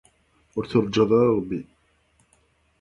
Ur turǧaḍ ara Ṛebbi!